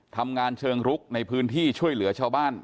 ทำงานเชิงรุกในพื้นที่ช่วยเหลือชาวบ้าน